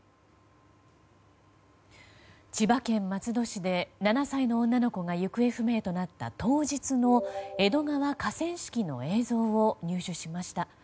千葉県松戸市で７歳の女の子が行方不明となった当日の江戸川河川敷の映像を入手しました。